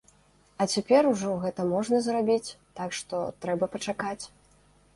А цяпер ужо гэта можна зрабіць, так што, трэба пачакаць.